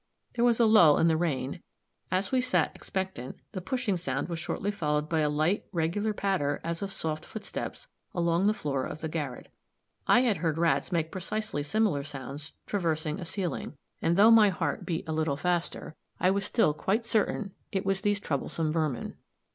There was a lull in the rain; as we sat expectant, the pushing sound was shortly followed by a light, regular patter, as of soft footsteps, along the floor of the garret. I had heard rats make precisely similar sounds traversing a ceiling; and though my heart beat a little faster, I was still quite certain it was these troublesome vermin.